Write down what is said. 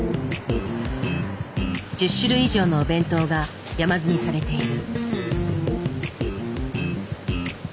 １０種類以上のお弁当が山積みされている。